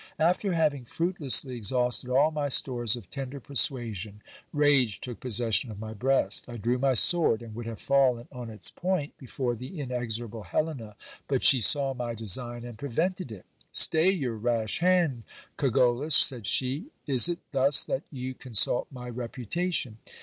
After having fruitlessly exhausted all my stores of tender persuasion, rage took possession of my breast. I drew my sword, and would have fallen on its point before the inexorable Helena, but she saw my design and prevented it. Stay your rash hand, Cogollos, said she. Is it thus that you consult my reputation